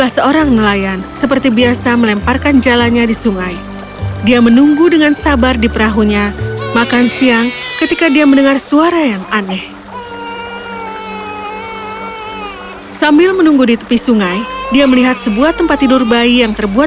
sang burung kebenaran